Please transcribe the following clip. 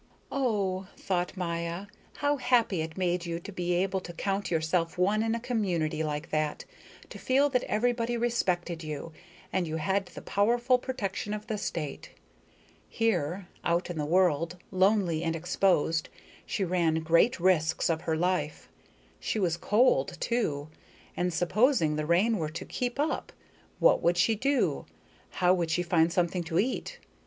Oh, thought Maya, how happy it made you to be able to count yourself one in a community like that, to feel that everybody respected you, and you had the powerful protection of the state. Here, out in the world, lonely and exposed, she ran great risks of her life. She was cold, too. And supposing the rain were to keep up! What would she do, how could she find something to eat?